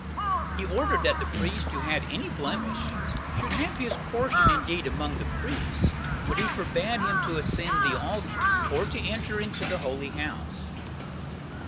He ordered that the priest who had any blemish, should have his portion indeed among the priests, but he forbade him to ascend the altar, or to enter into the holy house.